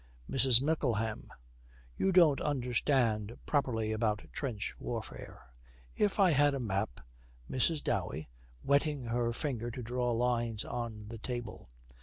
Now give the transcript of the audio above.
MRS. MICKLEHAM. 'You don't understand properly about trench warfare. If I had a map ' MRS. DOWEY, wetting her finger to draw lines on the table.